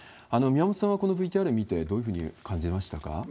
宮本さんはこのＶＴＲ見て、どういうふうに感じましたか？